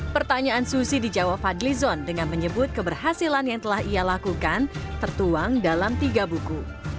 pertanyaan susi dijawab fadlizon dengan menyebut keberhasilan yang telah ia lakukan tertuang dalam tiga buku